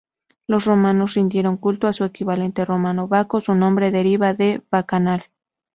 Los romanos rindieron culto a su equivalente romano, Baco, su nombre deriva de "bacanal".